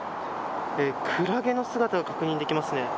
クラゲの姿が確認できますね。